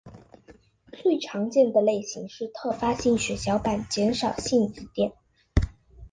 最常见的类型是特发性血小板减少性紫癜。